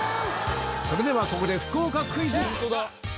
それではここで福岡クイズ。